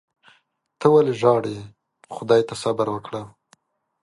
ته ولي ژاړې . خدای ته صبر وکړه